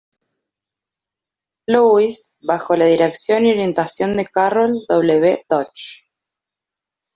Louis, bajo la dirección y orientación de Carroll W. Dodge.